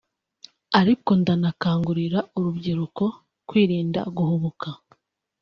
ariko ndanakangurira urubyiruko kwirinda guhubuka